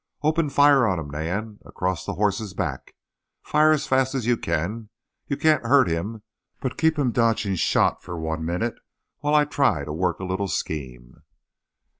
"Open fire on him, Nan, across the horse's back. Fire as fast as you can! You can't hurt him, but keep him dodging shot for one minute while I try to work a little scheme."